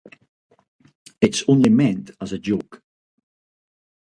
It’s only meant as a joke.